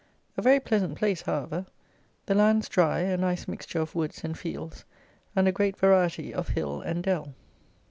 A very pleasant place however. The lands dry, a nice mixture of woods and fields, and a great variety of hill and dell.